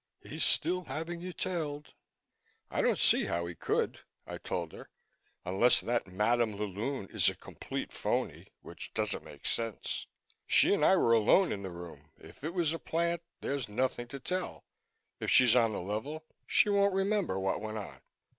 He's still having you tailed." "I don't see how he could," I told her, "unless that Madame la Lune is a complete phoney which doesn't make sense. She and I were alone in the room. If it was a plant, there's nothing to tell. If she's on the level she won't remember what went on."